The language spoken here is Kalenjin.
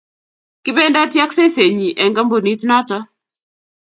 Kibendoti ak sesat nyin eng kampunit noto